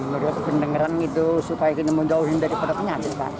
menurut pendengaran itu supaya kita menjauhin dari petaknya